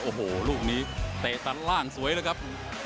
โอ้โหลูกนี้เตะจ้านล่างสวยแล้วครับ